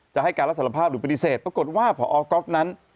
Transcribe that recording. จะให้การลักษณะภาพหรือปฏิเสธปรากฏว่าพกนั้น